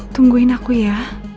tungguin aku ya